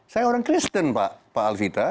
saya orang kristen pak alvita